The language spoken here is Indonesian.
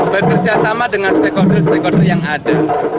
bekerjasama dengan stakeholder stakeholder yang ada